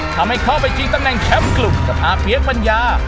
ทำให้เข้าไปจริงตำแหน่งแคปกลุ่มสะพาเพียกปัญญา